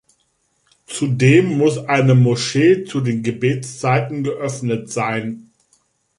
Zudem muss eine Moschee zu den Gebetszeiten geöffnet sein.